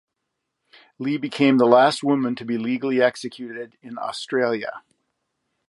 Lee became the last woman to be legally executed in Australia.